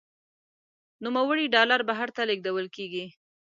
نوموړي ډالر بهر ته لیږدول کیږي.